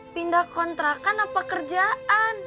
pindah kontrakan apa kerjaan